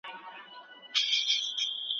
تاسو باید د ژوندپوهنې زده کړې ته دوام ورکړئ.